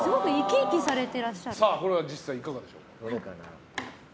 これは実際にいかがでしょう？